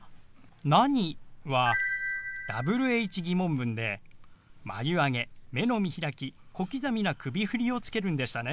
「何？」はＷｈ−疑問文で眉上げ目の見開き小刻みな首振りをつけるんでしたね。